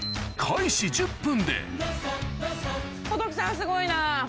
すごいな。